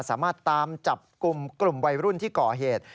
สามารถตามจับกลุ่มกลุ่มวัยรุ่นที่ก่อเหตุ